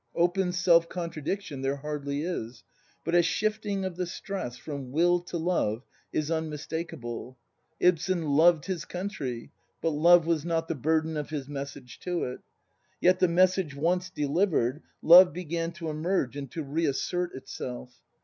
Open self contradiction there hardly is; but a shifting of the stress, from Will to Love, is unmistakable. Ibsen loved his country, but love was not the burden of his message to it. Yet the message once delivered, love began to emerge and to reassert itself.